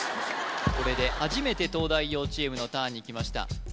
これで初めて東大王チームのターンに来ました